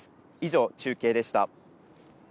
以上、中継でした。